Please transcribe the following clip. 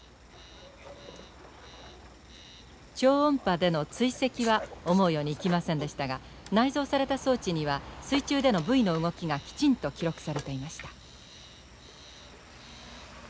超音波での追跡は思うようにいきませんでしたが内蔵された装置には水中でのブイの動きがきちんと記録されていました。